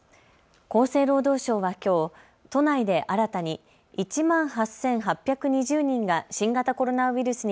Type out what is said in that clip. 厚生労働省はきょう都内で新たに１万８８２０人が新型コロナウイルスに